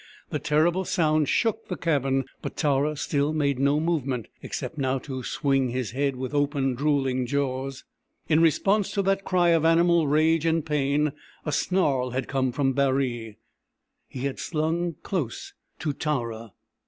The terrible sound shook the cabin, but Tara still made no movement, except now to swing his head with open, drooling jaws. In response to that cry of animal rage and pain a snarl had come from Baree. He had slunk close to Tara.